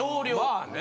まあね。